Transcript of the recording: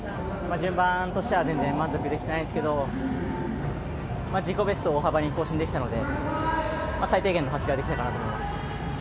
順番としては満足できていませんが自己ベストを大幅に更新できたので最低限の走りはできたかと思います。